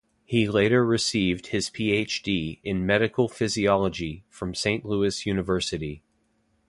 He later received his Ph.D. in medical physiology from Saint Louis University.